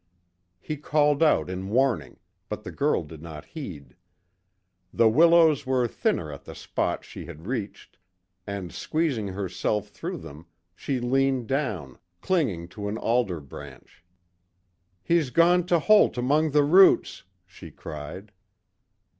He called out in warning, but the girl did not heed. The willows were thinner at the spot she had reached, and, squeezing herself through them, she leaned down, clinging to an alder branch. "He's gone to holt among the roots," she cried.